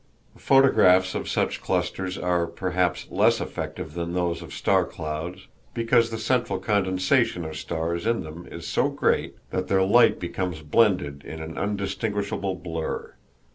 Photographs of such clusters are, perhaps, less effective than those of star clouds, because the central condensation of stars in them is so great that their light becomes blended in an indistinguishable blur.